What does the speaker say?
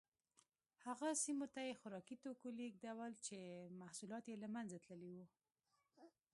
هغه سیمو ته یې خوراکي توکي لېږدول چې محصولات یې له منځه تللي وو